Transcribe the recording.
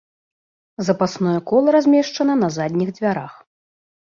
Запасное кола размешчана на задніх дзвярах.